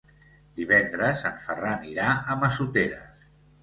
Divendres en Ferran irà a Massoteres.